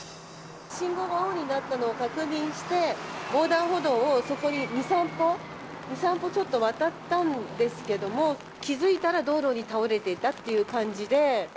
信号が青になったのを確認して、横断歩道をそこに、２、３歩、ちょっと渡ったんですけども、気付いたら道路に倒れていたっていう感じで。